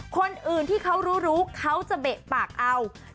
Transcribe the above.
คนอื่นที่เขารู้เขาจะเบะปากเอา